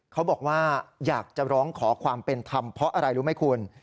เขาบอกว่าอยากจะร้องขอความเป็นธรรมเพราะอะไรรู้ไหมคุณ